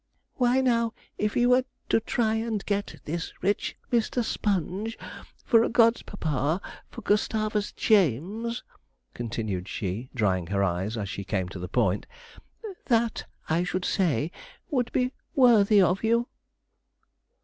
'Why, now, if you were to try and get this rich Mr. Sponge for a god papa for Gustavus James,' continued she, drying her eyes as she came to the point, 'that, I should say, would be worthy of you.'